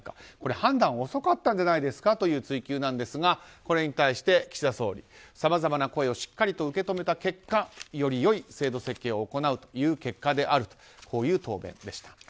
判断が遅かったんじゃないんですかという追及ですがこれに対して岸田総理さまざまな声をしっかりと受け止めた結果より良い制度設計を行うという結果であるとこういう答弁でした。